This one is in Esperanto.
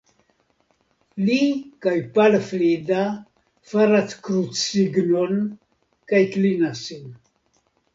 Li kaj Pal Flida faras krucsignon kaj klinas sin.